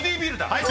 はい。